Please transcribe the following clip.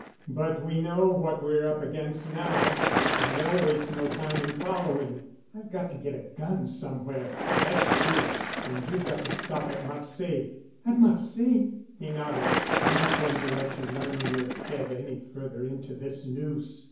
But we know what we're up against now. And they'll waste no time in following. I've got to get a 'gun' somewhere, that's sure, and you've got to stop at Marseilles." "At Marseilles?" He nodded. "I'm not going to let you run your head any further into this noose.